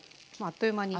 あっという間に。